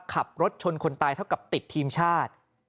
ขับรถชนคนตายเท่ากับติดทีมชาติ